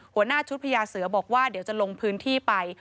หัวหน้าชุดพญาเสือบอกว่าเดี๋ยวจะลงพื้นที่ไป